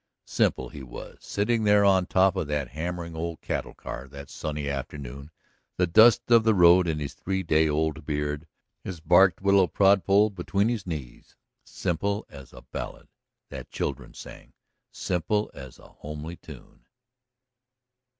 Simple he was, sitting there on top of that hammering old cattle car that sunny afternoon, the dust of the road in his three day old beard, his barked willow prod pole between his knees; simple as a ballad that children sing, simple as a homely tune.